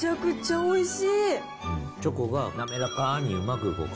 おいしい。